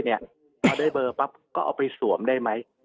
พอได้เบอร์ปั๊บก็เอาไปสวมได้ไหม